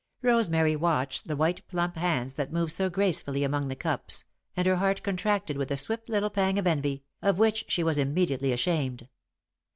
Rosemary watched the white, plump hands that moved so gracefully among the cups, and her heart contracted with a swift little pang of envy, of which she was immediately ashamed.